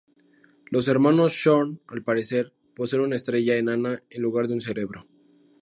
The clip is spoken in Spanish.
Los hermanos Xorn al parecer, poseen una estrella enana en lugar de un cerebro.